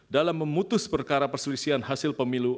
dalam memutus perkara perselisihan hasil pemilu